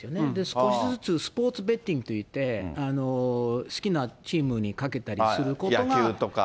少しずつスポーツベッティングといって、好きなチームに賭けたり野球とか。